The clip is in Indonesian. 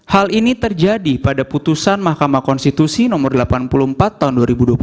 hal ini terjadi pada putusan mahkamah konstitusi no delapan puluh empat tahun dua ribu dua puluh